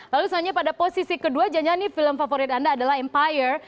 lalu selanjutnya pada posisi kedua jangan jangan nih film favorit anda adalah empire